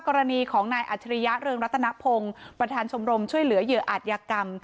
กรณีของนายอัจฉริยะเรืองรัตนพงศ์ประธานชมรมช่วยเหลือเหยื่ออาจยากรรม